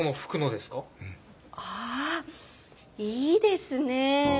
あいいですね。